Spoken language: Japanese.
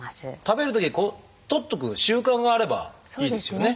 食べるときこう撮っとく習慣があればいいですよね。